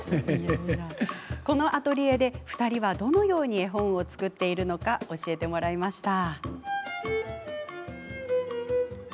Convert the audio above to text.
このアトリエで２人はどのように絵本を作っているのか教えてもらいました。